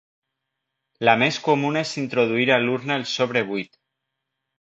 La més comuna és introduir a l'urna el sobre buit.